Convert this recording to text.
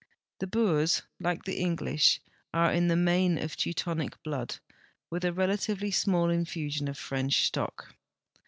The Boers, like the English, are in the main of Teutonic blood, with a relatively small infusion of French stock.